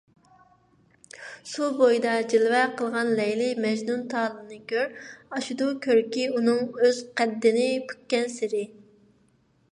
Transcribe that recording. سۇ بويىدا جىلۋە قىلغان لەيلى - مەجنۇنتالنى كۆر، ئاشىدۇ كۆركى ئۇنىڭ ئۆز قەددىنى پۈككەنسېرى.